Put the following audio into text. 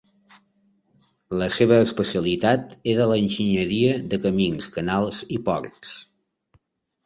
La seva especialitat era l'enginyeria de camins, canals i ports.